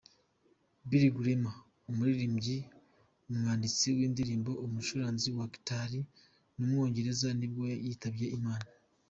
Billy Grammer, umuririmbyi, umwanditsi w’indirimbo, umucuranzi wa guitar w’umwongereza nibwo yitabye Imana.